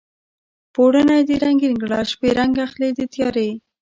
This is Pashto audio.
پوړونی دې رنګین کړه شپې رنګ اخلي د تیارې